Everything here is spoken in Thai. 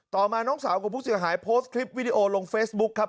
มาน้องสาวของผู้เสียหายโพสต์คลิปวิดีโอลงเฟซบุ๊คครับ